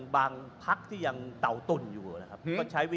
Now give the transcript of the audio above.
เขากินข้าวนะครับ